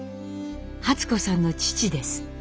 初子さんの父です。